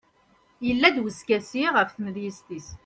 yella-d uskasi ɣef tmedyazt-is